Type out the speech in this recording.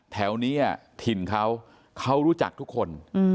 แถวนี้ถิ่นเขาเขารู้จักทุกคน